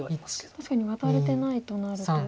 確かにワタれてないとなると。